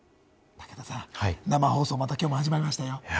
武田さん、生放送、今日も始まりましたよ。